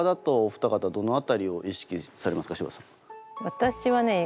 私はね